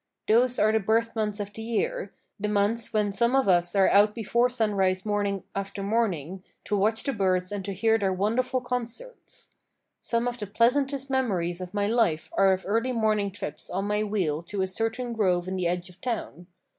Those are the bird months of the year, the months when some of us are out before sunrise morning after morning, to watch the birds and to hear their wonderful concerts. Some of the pleasantest memories of my life are of early morning trips on my wheel to a certain grove in the edge of town.